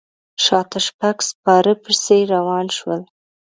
شاته شپږ سپاره پسې روان شول.